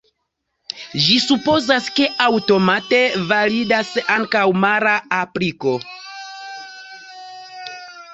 Ĝi supozas, ke aŭtomate validas ankaŭ mala apliko.